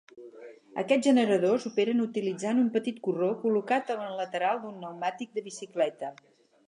Aquests generadors operen utilitzant un petit corró col·locat en el lateral d'un pneumàtic de bicicleta.